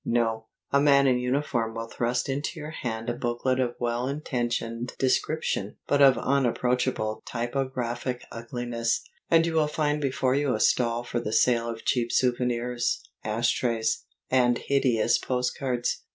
No, a man in uniform will thrust into your hand a booklet of well intentioned description (but of unapproachable typographic ugliness) and you will find before you a stall for the sale of cheap souvenirs, ash trays, and hideous postcards.